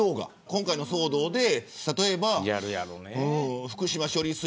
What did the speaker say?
今回の騒動で、例えば福島処理水